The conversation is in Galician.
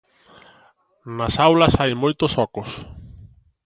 Nas aulas hai moitos ocos.